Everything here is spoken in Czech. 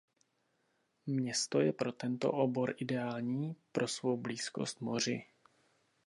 Město je pro tento obor ideální pro svou blízkost moři.